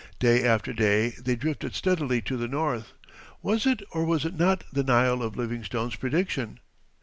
Day after day they drifted steadily to the north. Was it or was it not the Nile of Livingstone's prediction?